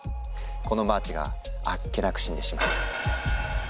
このマーチがあっけなく死んでしまう。